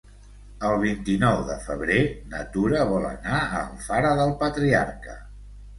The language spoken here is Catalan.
El vint-i-nou de febrer na Tura vol anar a Alfara del Patriarca.